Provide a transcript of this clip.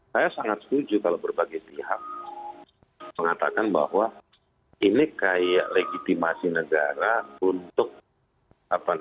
saya sangat setuju kalau berbagai pihak mengatakan bahwa ini kayak legitimasi negara untuk apa namanya